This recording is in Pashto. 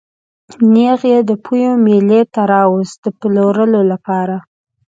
نېغ یې د پېوې مېلې ته راوست د پلورلو لپاره.